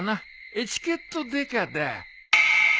エチケットデカだ。